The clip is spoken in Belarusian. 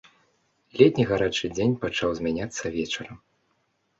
Летні гарачы дзень пачаў змяняцца вечарам.